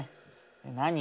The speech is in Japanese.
何？